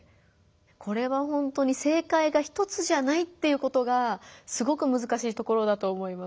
これはほんとに正解が一つじゃないっていうことがすごくむずかしいところだと思います。